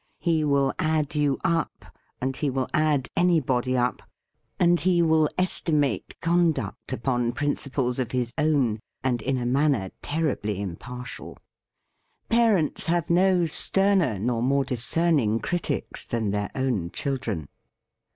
He will add you up, and he will add anybody up, and he will estimate con THE FEAST OF ST FRIEND duct, upon principles of his own and in a manner terribly impartial. Parents have no sterner nor more discerning critics than their own children.